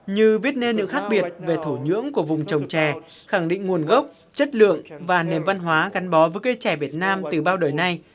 như viết nê nữ khác biệt về thổ nhưỡng của vùng trồng trẻ khẳng định nguồn gốc chất lượng và nền văn hóa gắn bó với cây trẻ việt nam từ bao đời này